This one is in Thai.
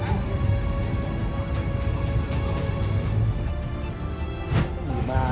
สวัสดีครับคุณผู้ชาย